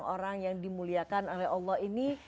orang yang dimuliakan oleh allah ini